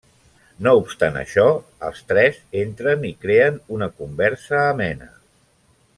No obstant això, els tres entren i creen una conversa amena.